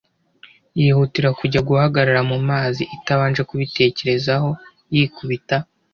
yihutira kujya guhagarara mu mazi itabanje kubitekerezaho. Yikubita